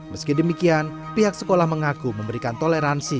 meski demikian pihak sekolah mengaku memberikan toleransi